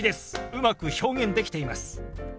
うまく表現できています。